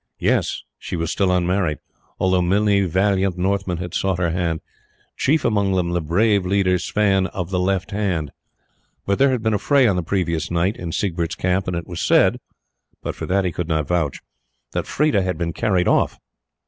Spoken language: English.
"Yes," she was still unmarried, although many valiant Northmen had sought her hand, chief among them the brave leader Sweyn "of the left hand;" but there had been a fray on the previous night in Siegbert's camp, and it was said but for that he could not vouch that Freda had been carried off.